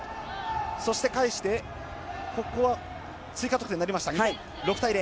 そして返してここは追加得点になり６対０。